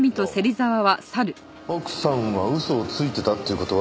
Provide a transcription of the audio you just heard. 奥さんは嘘をついてたっていう事は。